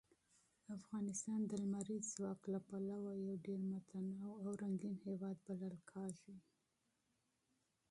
افغانستان د لمریز ځواک له پلوه یو ډېر متنوع او رنګین هېواد بلل کېږي.